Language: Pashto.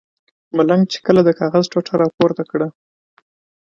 ملنګ چې کله د کاغذ ټوټه را پورته کړه.